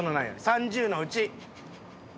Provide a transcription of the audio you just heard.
３０のうち何着。